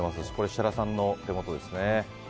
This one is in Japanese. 設楽さんの手元ですね。